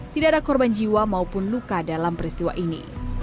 tidak ada korban jiwa maupun luka dalam peristiwa ini